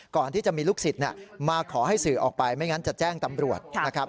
ก่อนที่จะมีลูกศิษย์มาขอให้สื่อออกไปไม่งั้นจะแจ้งตำรวจนะครับ